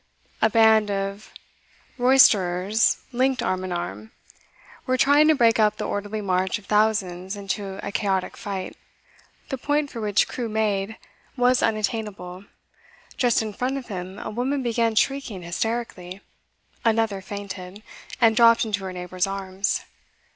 A band of roisterers, linked arm in arm, were trying to break up the orderly march of thousands into a chaotic fight. The point for which Crewe made was unattainable; just in front of him a woman began shrieking hysterically; another fainted, and dropped into her neighbour's arms.